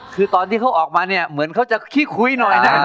คือตอนที่เขาออกมาเนี่ยเหมือนเขาจะขี้คุยหน่อยนะ